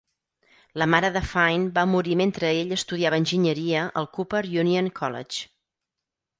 La mare de Fine va morir mentre ell estudiava enginyeria al Cooper Union College.